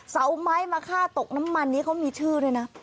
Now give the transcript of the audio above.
เสาไม้มาฆ่าตกน้ำมันนี้เขามีชื่อด้วยนะ